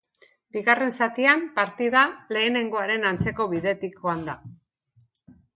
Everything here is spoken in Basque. Bigarren zatian, partida lehenengoaren antzeko bidetik joan da.